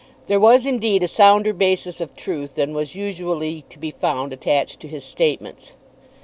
There was indeed a sounder basis of truth than was usually to be found attached to his statements.